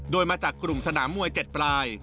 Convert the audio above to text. โดยมาจากกลุ่มสนามมวย๗ปลาย